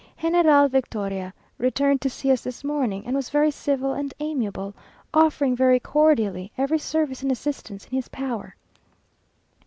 General Victoria returned to see us this morning, and was very civil and amiable, offering very cordially every service and assistance in his power.